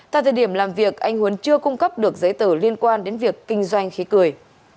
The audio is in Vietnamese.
tại thời điểm làm việc anh huấn chưa cung cấp được giấy tờ liên quan đến việc kinh doanh khí cười